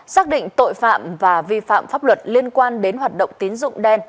xác định tội phạm và vi phạm pháp luật liên quan đến hoạt động tín dụng đen